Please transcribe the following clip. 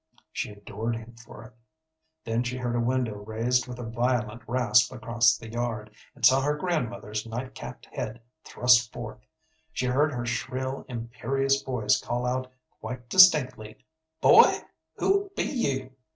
She adored him for it. Then she heard a window raised with a violent rasp across the yard, and saw her grandmother's night capped head thrust forth. She heard her shrill, imperious voice call out quite distinctly, "Boy, who be you?"